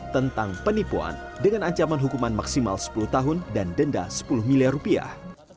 tentang penipuan dengan ancaman hukuman maksimal sepuluh tahun dan denda sepuluh miliar rupiah